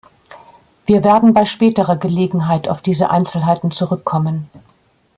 Wir werden bei späterer Gelegenheit auf diese Einzelheiten zurückkommen.